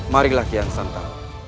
mari lah kian santan